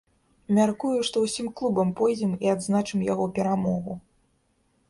Мяркую, што ўсім клубам пойдзем і адзначым яго перамогу.